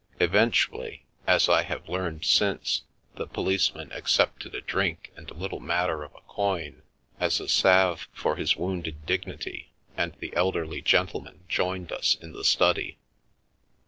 Eventually, as I have learned since, the policeman accepted a drink and a little matter of a coin as a salve for his wounded dignity, and the elderly gentleman joined us in the study.